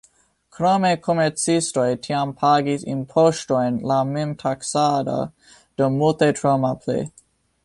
Krome komercistoj tiam pagis impoŝtojn laŭ memtaksado, do multe tro malpli.